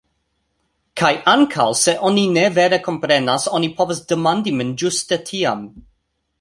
Kaj ankaŭ se oni ne vere komprenas, oni povas demandi min ĝuste tiam.